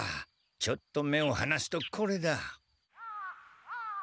ちょっと目をはなすとこれだ。